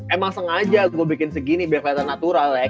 emang sengaja gue bikin segini biar keliatan natural ya